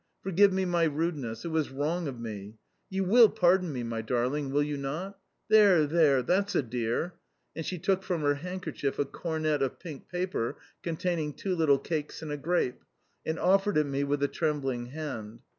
Forgive me my rudeness. It was wrong of me. You WILL pardon me, my darling, will you not? There, there, that's a dear," and she took from her handkerchief a cornet of pink paper containing two little cakes and a grape, and offered it me with a trembling hand.